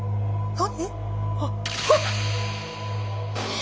何！？